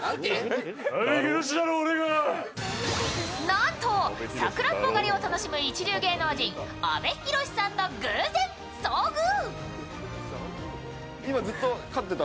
なんと、さくらんぼ狩りを楽しむ一流芸能人、阿部寛さんと偶然遭遇！